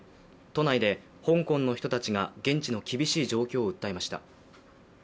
都内で香港の人たちが現地の厳しい状況を訴えました。